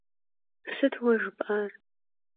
Sıt vue jjıp'ar?